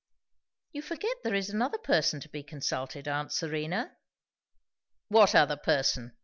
"You forget there is another person to be consulted, aunt Serena." "What other person?"